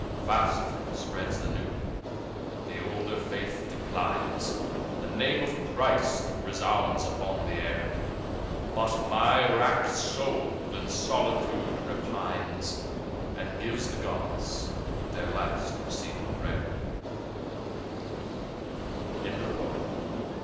Fast spreads the new; the older faith declines. The name of Christ resounds upon the air. But my wrack'd soul in solitude repines And gives the Gods their last receivèd pray'r. Retrieved from "https://en.